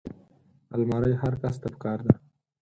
الماري هر کس ته پکار ده